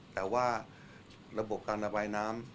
แต่ว่าระบบการระบายน้ำ